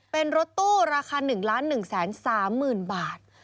เป็นรถตู้ราคา๑๑๓๐๐๐บาท